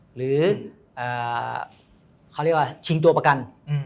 หรือเขาเรียกว่าชิงตัวประกัน